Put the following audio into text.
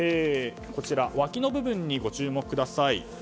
わきの部分にご注目ください。